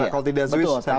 kalau tidak swiss serbia